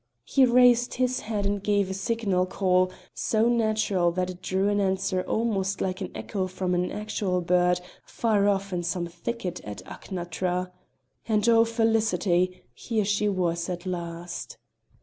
He raised his head and gave the signal call, so natural that it drew an answer almost like an echo from an actual bird far off in some thicket at Achnatra. And oh! felicity; here she was at last!